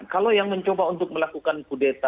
kalau yang mencoba untuk melakukan kudeta